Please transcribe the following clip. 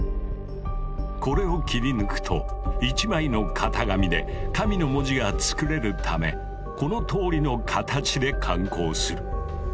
これを切り抜くと１枚の型紙で「神」の文字が作れるためこのとおりの形で感光する。